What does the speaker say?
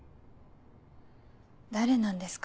誰なんですか？